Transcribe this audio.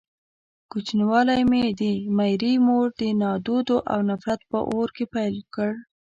کوچنيوالی يې د ميرې مور د نادودو او نفرت په اور کې پيل کړ.